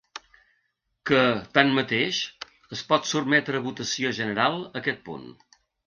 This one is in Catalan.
‐ que, tanmateix, es pot sotmetre a votació general aquest punt.